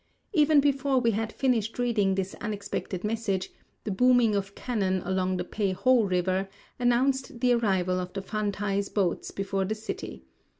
Even before we had finished reading this unexpected message, the booming of cannon along the Pei ho river announced the arrival of the phantai 's boats before the city.